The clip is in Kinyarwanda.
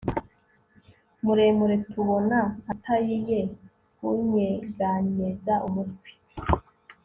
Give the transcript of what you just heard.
muremure tubona atayiye kunyeganyeza umutwe